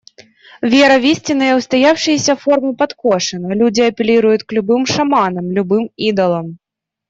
Вера в истинные, устоявшиеся формы подкошена, люди апеллируют к любым шаманам, любым идолам.